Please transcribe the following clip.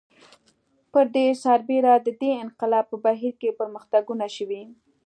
پر دې سربېره د دې انقلاب په بهیر کې پرمختګونه شوي